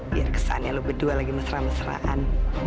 biar kesannya lo berdua lagi mesra mesraan